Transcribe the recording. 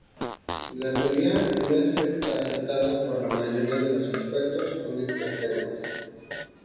La teoría no es aceptada por la mayoría de los expertos en estas lenguas.